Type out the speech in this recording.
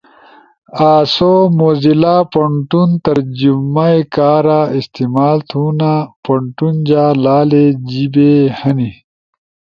آسو موزیلا پونٹون ترجمہ کارا استعمال تھونا۔ پونٹون جا لالے جیِنے ہنے۔